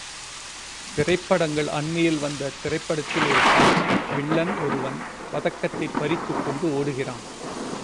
திரைப்படங்கள் அண்மையில் வந்த திரைப்படத்தில் ஒரு காட்சி, வில்லன் ஒருவன் பதக்கத்தைப் பறித்துக்கொண்டு ஒடுகிறான்.